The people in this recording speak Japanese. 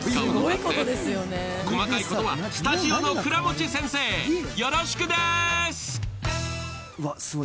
って、細かいことはスタジオの倉持先生、よろしくでーす！